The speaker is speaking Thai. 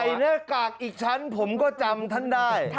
หน้ากากอีกชั้นผมก็จำท่านได้